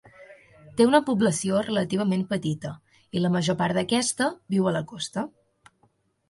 Té una població relativament petita, i la major part d'aquesta viu a la costa.